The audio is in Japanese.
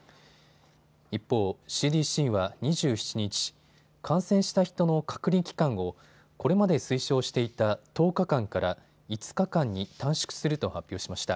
一方、ＣＤＣは２７日、感染した人の隔離期間をこれまで推奨していた１０日間から５日間に短縮すると発表しました。